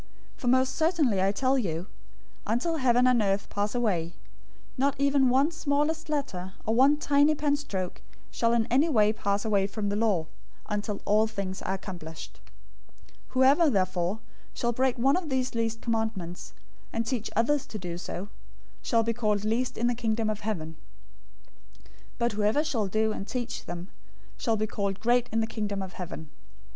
005:018 For most certainly, I tell you, until heaven and earth pass away, not even one smallest letter{literally, iota} or one tiny pen stroke{or, serif} shall in any way pass away from the law, until all things are accomplished. 005:019 Whoever, therefore, shall break one of these least commandments, and teach others to do so, shall be called least in the Kingdom of Heaven; but whoever shall do and teach them shall be called great in the Kingdom of Heaven.